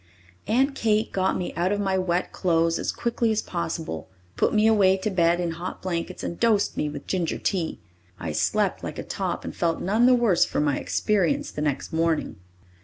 Aunt Kate got me out of my wet clothes as quickly as possible, put me away to bed in hot blankets and dosed me with ginger tea. I slept like a top and felt none the worse for my experience the next morning.